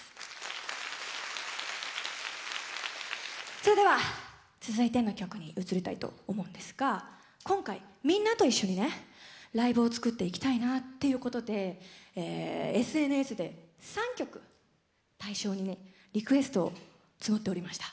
それでは続いての曲に移りたいと思うんですが今回みんなと一緒にねライブを作っていきたいなということでＳＮＳで３曲対象にリクエストを募っておりました。